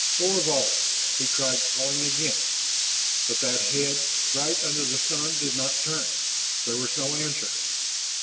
"Thorvald!" He tried calling again. But that head, bright under the sun did not turn; there was no answer.